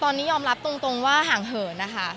ตอนนี้ยอมรับตรงว่าห่างเหินนะคะ